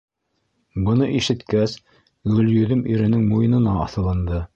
Быны ишеткәс, Гөлйөҙөм иренең муйынына аҫылынды.